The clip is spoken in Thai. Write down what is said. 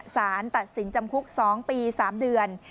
สารตัดสินจำคุก๒ปี๓เดือน